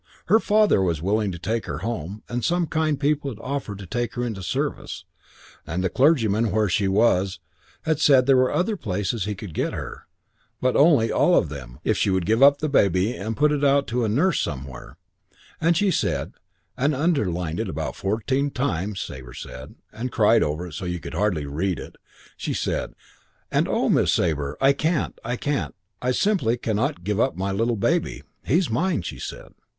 Her father was willing to take her home, and some kind people had offered to take her into service, and the clergyman where she was had said there were other places he could get her, but only, all of them, if she would give up the baby and put it out to nurse somewhere: and she said, and underlined it about fourteen times, Sabre said, and cried over it so you could hardly read it, she said: 'And, oh, Mrs. Sabre, I can't, I can't, I simply can not give up my little baby.... He's mine,' she said.